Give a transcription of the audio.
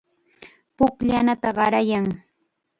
Pukllanata qarayan.